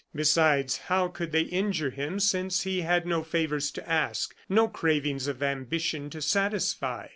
Besides, how could they injure him, since he had no favors to ask, no cravings of ambition to satisfy?